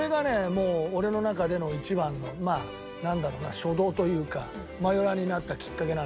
もう俺の中での一番のなんだろうな初動というかマヨラーになったきっかけなんで。